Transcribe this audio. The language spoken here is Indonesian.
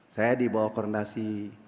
saya dibawa koordinasi